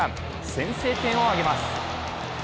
先制点を挙げます。